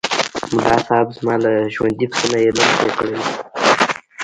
ملاصاحب! زما له ژوندي پسه نه یې لم پرې کړی و.